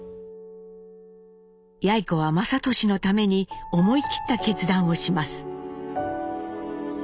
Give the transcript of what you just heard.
やい子は雅俊のために思い切った決断をします。